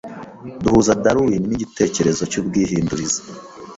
Duhuza Darwin nigitekerezo cyubwihindurize.